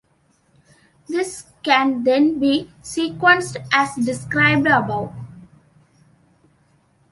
This can then be sequenced as described above.